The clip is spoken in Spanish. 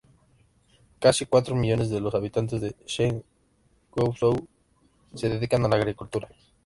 Casi cuatro millones de los habitantes de Zhengzhou se dedican a la agricultura.